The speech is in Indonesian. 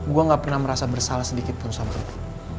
gue gak pernah merasa bersalah sedikit pun sama lo